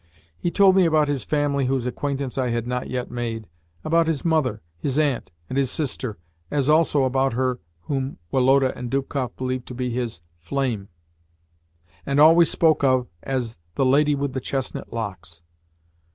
He told me about his family whose acquaintance I had not yet made about his mother, his aunt, and his sister, as also about her whom Woloda and Dubkoff believed to be his "flame," and always spoke of as "the lady with the chestnut locks."